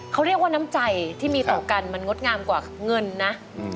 เขาเรียกว่าน้ำใจที่มีต่อกันมันงดงามกว่าเงินนะ